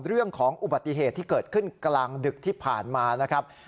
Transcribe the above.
เรื่องของอุบัติเหตุที่เกิดขึ้นกลางดึกที่ผ่านมานะครับ